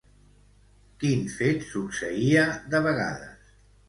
Quin fet succeïa de vegades?